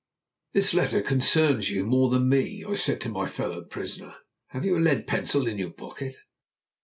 "This letter concerns you more than me," I said to my fellow prisoner. "Have you a lead pencil in your pocket?"